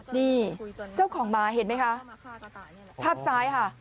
นี่เจ้าของหมาเห็นไหมคะภาพซ้ายค่ะ